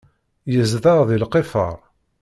Yezdeɣ deg lqifar.